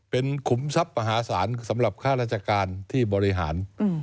เป็นขุมทรัพย์มหาศาลสำหรับค่าราชการที่บริหาร